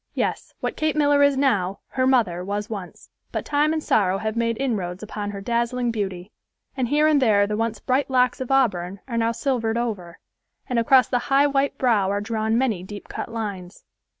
Yes, what Kate Miller is now, her mother was once; but time and sorrow have made inroads upon her dazzling beauty, and here and there the once bright locks of auburn are now silvered over, and across the high white brow are drawn many deep cut lines.